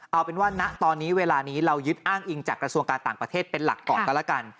เอาเป็นว่าณตอนนี้เวลานี้เรายึดอ้างอิงจากกระทรวงการต่างประเทศเป็นหลักก่อนก็แล้วกัน